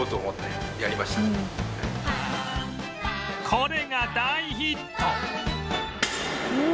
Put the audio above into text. これが大ヒット！